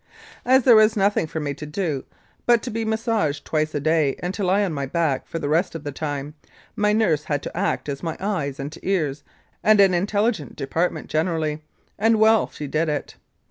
As there was nothing for me to do but to be massaged twice a day and to lie on my back for the rest of the time, my nurse had to act as my eyes and ears and an intelligence department generally, and well she did it.